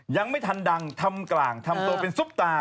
ยังไม่ทันดังทำกลางทำตัวเป็นซุปตา